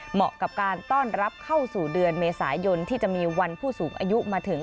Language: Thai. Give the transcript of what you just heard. เหมาะกับการต้อนรับเข้าสู่เดือนเมษายนที่จะมีวันผู้สูงอายุมาถึง